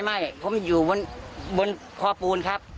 เพราะมันอยู่บนบนคอปูนครับ